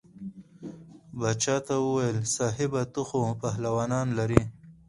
باچا ته وویل صاحبه ته خو پهلوانان لرې.